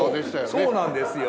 そうなんですよ。